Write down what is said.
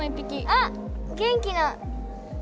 あっ元気な。